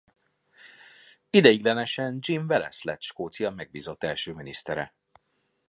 Ideiglenesen Jim Wallace lett Skócia megbízott első minisztere.